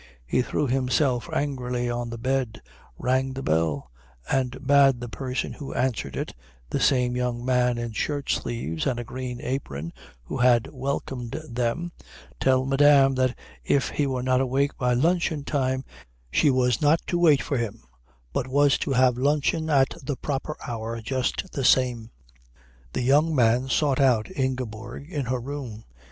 He threw himself angrily on the bed, rang the bell, and bade the person who answered it, the same young man in shirt sleeves and a green apron who had welcomed them, tell Madame that if he were not awake by luncheon time she was not to wait for him, but was to have luncheon at the proper hour just the same. The young man sought out Ingeborg in her room.